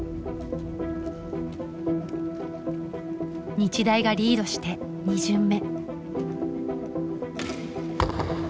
日大がリードして２巡目。